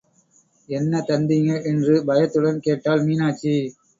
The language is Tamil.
என்ன தந்திங்க என்று பயத்துடன் கேட்டாள் மீனாட்சி.